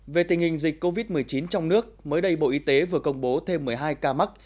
về tình hình dịch covid một mươi chín trong nước mới đây bộ y tế vừa công bố thêm một mươi hai ca mắc